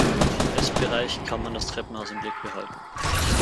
Vom Essbereich kann man das Treppenhaus im Blick behalten.